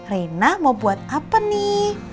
rena mau buat apa nih